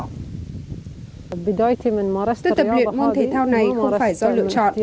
tôi tập luyện môn thể thao này không phải do lựa chọn